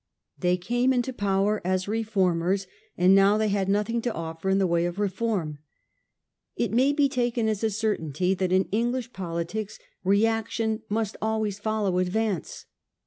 They came into power as reformers, and now they had nothing to offer in the way of reform. It may be taken as a certainty that in English politics reaction must always follow advance.